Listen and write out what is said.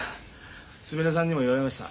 すみれさんにも言われました。